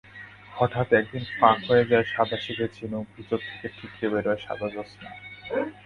হঠাৎ একদিন ফাঁক হয়ে যায় সাদাসিধে ঝিনুক, ভিতর থেকে ঠিকরে বেরোয় সাদা জোৎস্না।